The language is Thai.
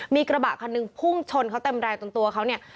มีกระบะคันหนึ่งพุ่งชนเขาเต็มแรงจนตัวเขาเนี่ย